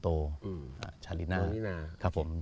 ตอนที่วันคลอดวันแรกของลูกสาวกลโต